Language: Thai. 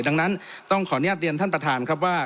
ดังนั้นต้องขออนุญาตเรียนท่านประธานครับว่า